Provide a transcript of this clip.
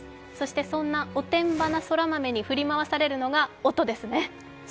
そんなおてんばな空豆に振り回されるのが音ですね。